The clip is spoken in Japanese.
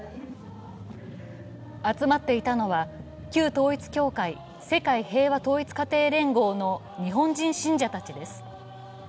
集まっていたのは旧統一教会＝世界平和統一家庭連合の日本人信者たちです。